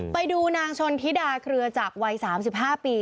ไปดูนางชนธิดาเครือจักรวัย๓๕ปี